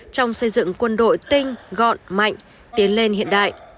trong xây dựng quân đội tinh gọn mạnh tiến lên hiện đại